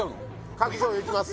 かき醤油いきます